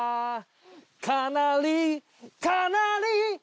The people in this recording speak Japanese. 「かなりかなり」